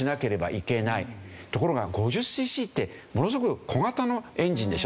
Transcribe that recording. ところが５０シーシーってものすごく小型のエンジンでしょ？